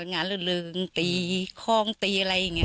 อ่างานลื้นลึงตีคล่องตีอะไรอย่างนี้